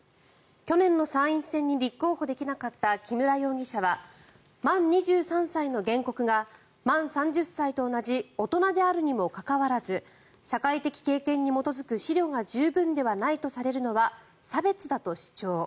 去年の参院選に立候補できなかった木村容疑者は満２３歳の原告が満３０歳と同じ大人であるにもかかわらず社会的経験に基づく思慮が十分でないとされるのは差別だと主張。